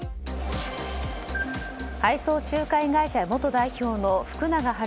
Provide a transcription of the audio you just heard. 配送仲介会社元代表の福永悠宏